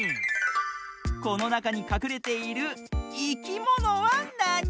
このなかにかくれているいきものはなに？